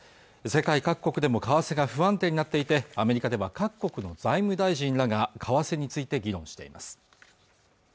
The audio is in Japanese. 世界各国でも為替が不安定になっていてアメリカでは各国の財務大臣らが為替について議論しています